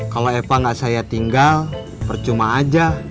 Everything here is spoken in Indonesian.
kalau epa gak saya tinggal percuma aja